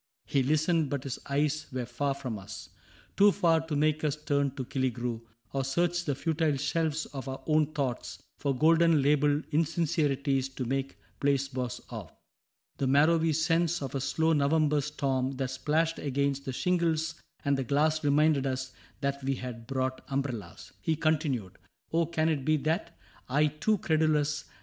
" He listened, but his eyes were far from us — Too far to make us turn to Killigrew, Or search the futile shelves of our own thoughts For golden labeled insincerities To make placebos of. The marrowy sense Of a slow November storm that splashed against The shingles and the glass reminded us That we had brought umbrellas. He continued :'^ Oh, can it be that I, too credulous.